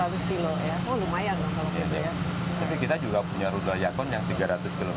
tapi kita juga punya rudal yakon yang tiga ratus km